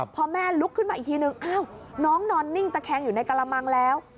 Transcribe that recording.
พอแม่ลุกขึ้นมาอีกทีนึงอ้าวน้องนอนนิ่งตะแคงอยู่ในกระมังแล้ว